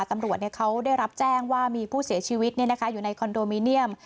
ตำรวจเขาได้รับแจ้งว่ามีผู้เสียชีวิตอยู่ในคอนโดมิเนียม